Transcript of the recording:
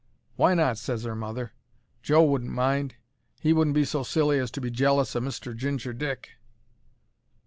"Why not?" ses her mother. "Joe wouldn't mind. He wouldn't be so silly as to be jealous o' Mr. Ginger Dick."